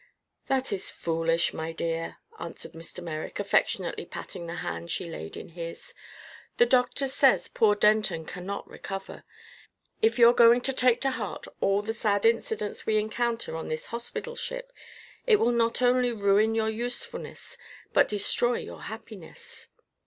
"That is foolish, my dear," answered Mr. Merrick, affectionately patting the hand she laid in his. "The doctor says poor Denton cannot recover. If you're going to take to heart all the sad incidents we encounter on this hospital ship, it will not only ruin your usefulness but destroy your happiness."